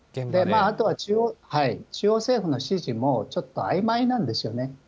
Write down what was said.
あとは中央政府の指示もちょっとあいまいなんですよね。